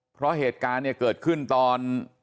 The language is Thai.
เพราะเหตุการณ์เนี่ยเกิดขึ้นตอน